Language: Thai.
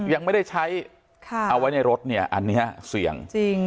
ยังไม่ได้ใช้เอาไว้ในรถเนี่ยอันนี้เสี่ยงจริง